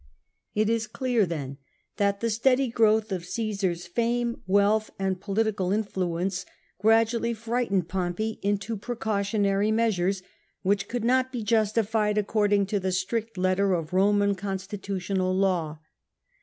It is clear, then, that the steady growth of Caesar's fame, wealth, and political influence gradually frightened Pompey into precautionary measures, which could not be justified according to the strict letter of Eninan consti tutional law.